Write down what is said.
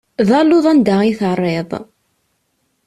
D aluḍ anda i terriḍ.